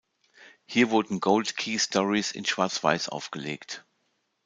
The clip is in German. Hier wurden Gold Key Stories in Schwarz-Weiß aufgelegt.